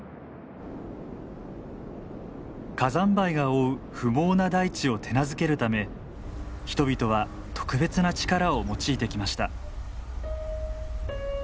火山灰が覆う不毛な大地を手なずけるため人々は特別な力を用いてきました。